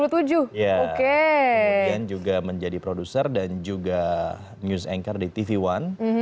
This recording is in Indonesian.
kemudian juga menjadi produser dan juga news anchor di tv one